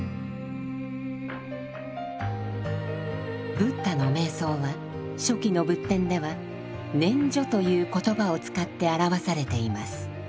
ブッダの瞑想は初期の仏典では「念処」という言葉を使って表されています。